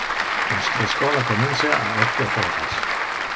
Nostre schola comencia a octo horas.